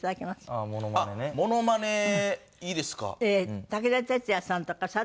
あっモノマネいいですか？